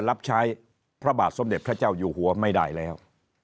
รับใช้พระบาทสมเด็จพระเจ้าอยู่หัวไม่ได้แล้ว